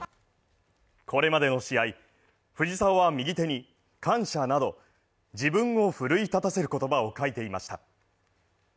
これまでの試合、藤澤は右手に「感謝」など、自分を奮い立たせる言葉を書いていました。